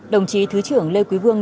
đồng chí thứ trưởng lê quý vương